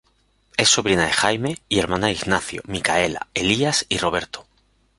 Es sobrina de Jaime y hermana de Ignacio, Micaela, Elias y Roberto.